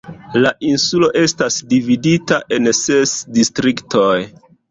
La insulo estas dividata en ses distriktoj.